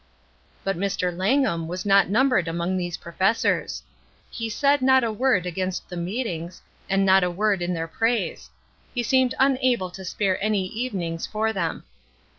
But Mr. Langham was not numbered among these professors. He said not a word against the meetings, and not a word in their praise; he seemed unable to spare any evenings for them.